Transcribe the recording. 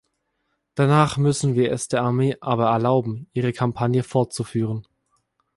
Danach müssen wir es der Armee aber erlauben, ihre Kampagne fortzuführen.